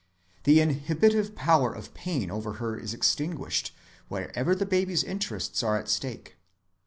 The inhibitive power of pain over her is extinguished wherever the baby's interests are at stake.